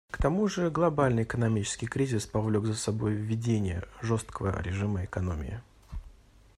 К тому же, глобальный экономический кризис повлек за собой введение жесткого режима экономии.